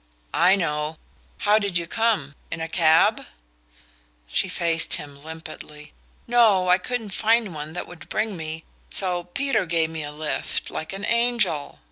"I know... How did you come? In a cab?" She faced him limpidly. "No; I couldn't find one that would bring me so Peter gave me a lift, like an angel.